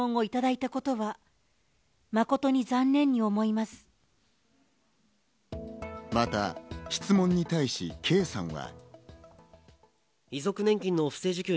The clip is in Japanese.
また質問に対し圭さんは。